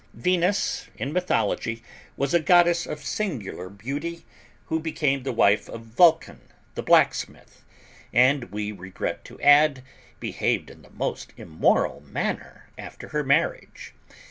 Venus, in Mythology, was a Goddess of singular beauty, who became the wife of Vulcan, the blacksmith, and, we regret to add, behaved in the most immoral manner after her marriage.